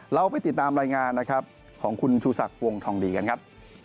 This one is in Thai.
เราไปติดตามรายงานนะครับของคุณชูศักดิ์วงทองดีกันครับ